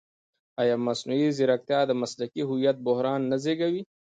ایا مصنوعي ځیرکتیا د مسلکي هویت بحران نه زېږوي؟